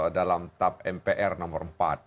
dalam tap mpr nomor empat